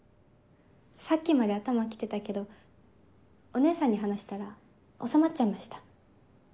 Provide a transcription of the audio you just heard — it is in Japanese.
さっきまで頭来てたけどお姉さんに話したら収まっちゃいました。